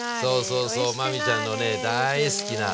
そうそう真海ちゃんのね大好きな。